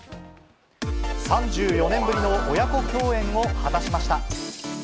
３４年ぶりの親子共演を果たしました。